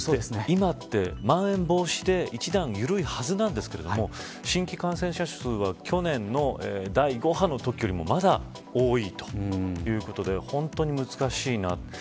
今って、まん延防止で１段ゆるいはずなんですけど新規感染者数は去年の第５波のときよりもまだ多いということで本当に難しいな。